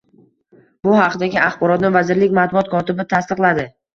Bu haqdagi axborotni vazirlik matbuot kotibi tasdiqladi.